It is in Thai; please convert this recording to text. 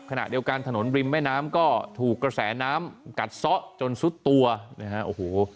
ขณะเดียวกันถนนริมแม่น้ำก็ถูกกระแสน้ำกัดซะจนสุดตัวนะฮะโอ้โห